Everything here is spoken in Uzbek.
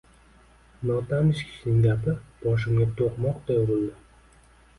Notanish kishining gapi boshimga toʻqmoqday urildi